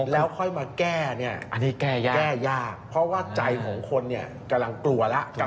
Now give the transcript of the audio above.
แล้วค่อยมาแก้เนี่ยอันนี้แก้ยากแก้ยากเพราะว่าใจของคนเนี่ยกำลังกลัวแล้ว